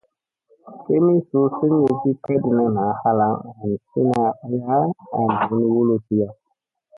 Kemii suu semyesi kadina naa halaŋ hansina aya an min wulsia.